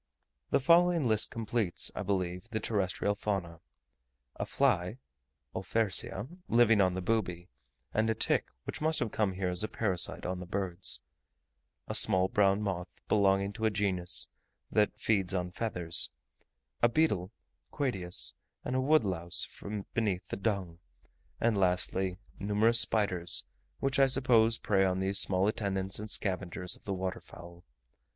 The following list completes, I believe, the terrestrial fauna: a fly (Olfersia) living on the booby, and a tick which must have come here as a parasite on the birds; a small brown moth, belonging to a genus that feeds on feathers; a beetle (Quedius) and a woodlouse from beneath the dung; and lastly, numerous spiders, which I suppose prey on these small attendants and scavengers of the water fowl.